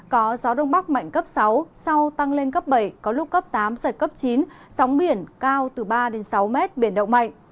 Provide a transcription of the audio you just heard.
có gió đông bắc mạnh cấp sáu sau tăng lên cấp bảy có lúc cấp tám sợi cấp chín sóng biển cao từ ba sáu m biển động mạnh